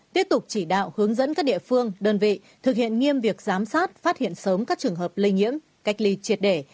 tiếp tục chỉ đạo hướng dẫn các địa phương đơn vị thực hiện nghiêm việc giám sát phát hiện sớm các trường hợp lây nhiễm cách ly triệt để